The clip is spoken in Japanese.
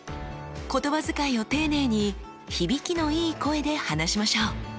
言葉遣いを丁寧に響きのいい声で話しましょう。